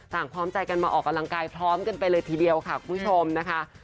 พร้อมใจกันมาออกกำลังกายพร้อมกันไปเลยทีเดียวค่ะคุณผู้ชมนะคะ